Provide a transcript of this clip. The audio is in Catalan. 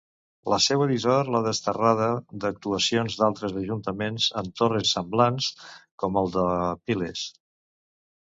La seua dissort l'ha desterrada d'actuacions d'altres ajuntaments en torres semblants, com el de Piles.